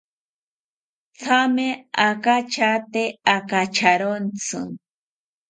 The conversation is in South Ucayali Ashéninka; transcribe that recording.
Thame akachate akacharontzi